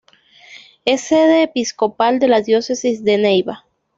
Es sede episcopal de la Diócesis de Neiva.